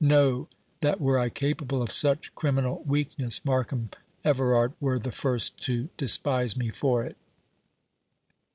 Know, that were I capable of such criminal weakness, Markham Everard were the first to despise me for it."